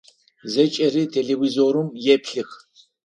Зэкӏэри телевизорым еплъых.